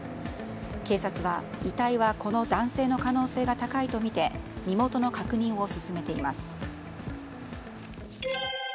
警察は、遺体はこの男性の可能性が高いとみて身元の確認を進めています。